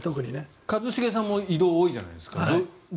一茂さんも移動が多いじゃないですか。